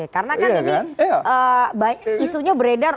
karena kan ini isunya beredar